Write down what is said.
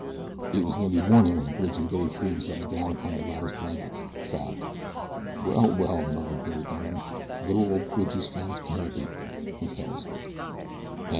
It was nearly morning when Bridge and Billy threw themselves down upon the latter's blankets, fagged. "Well, well," murmured Billy Byrne; "li'l ol' Bridgie's found his Penelope," and fell asleep. CHAPTER XIII.